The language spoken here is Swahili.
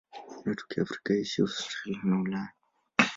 Wanatokea Afrika, Asia, Australia na Ulaya.